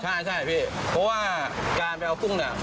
ใช่พี่เพราะว่าการไปเอากุ้งน่ะ